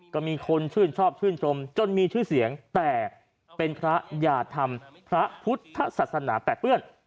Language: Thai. ก็มีคนชื่นชอบชื่นชมจนมีชื่อเสียงแต่เป็นพระอย่าทำพระพุทธศาสนาแปดเปื้อน